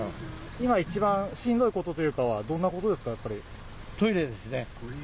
今、一番しんどいことというかは、どんなことですか、やっぱトイレですね。